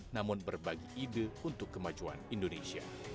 namun berbagi ide untuk kemajuan indonesia